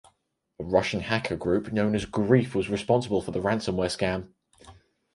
A Russian hacker group known as Grief was responsible for the ransomware scam.